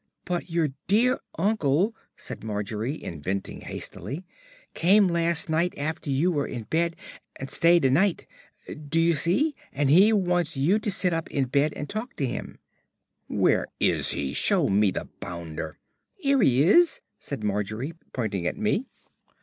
"But your dear uncle," said Margery, inventing hastily, "came last night after you were in bed, and stayed 'e night. Do you see? And he wants you to sit on him in bed and talk to him." "Where is he? Show me the bounder." "'Ere he is," said Margery, pointing at me.